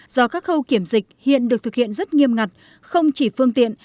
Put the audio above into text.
do các khâu kiểm dịch hiện được thực hiện rất nghiêm ngặt không chỉ phương tiện